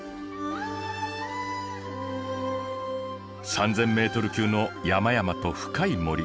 ３，０００ｍ級の山々と深い森。